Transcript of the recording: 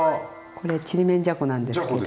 これちりめんじゃこなんですけど。